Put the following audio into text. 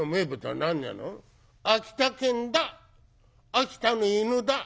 秋田の犬だ」。